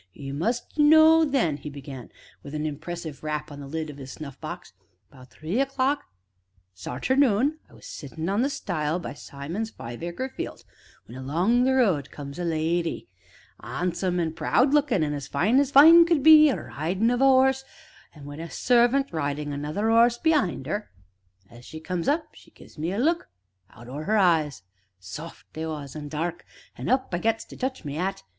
"You must know, then," he began, with an impressive rap on the lid of his snuffbox, "'bout three o'clock 's arternoon I were sittin' on the stile by Simon's five acre field when along the road comes a lady, 'an'some an' proud looking, an' as fine as fine could be, a ridin' of a 'orse, an' wi' a servant ridin' another 'orse be'ind 'er. As she comes up she gives me a look out o' 'er eyes, soft they was, an' dark, an' up I gets to touch my 'at.